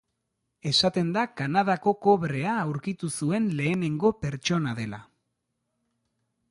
Esaten da Kanadako kobrea aurkitu zuen lehenengo pertsona dela.